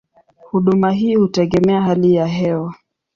Huduma hii hutegemea hali ya hewa.